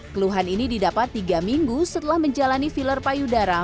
keluhan ini didapat tiga minggu setelah menjalani filler payudara